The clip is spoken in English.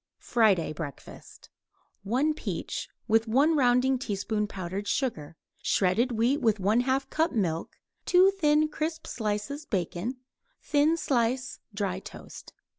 FRIDAY BREAKFAST 1 peach, with 1 rounding teaspoon powdered sugar; shredded wheat with 1/2 cup milk; 2 thin crisp slices bacon; thin slice dry toast.